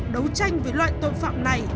đấu tranh với loại tôn phạm này